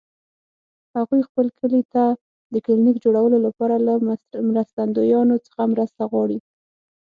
هغوی خپل کلي ته د کلینیک جوړولو لپاره له مرستندویانو څخه مرسته غواړي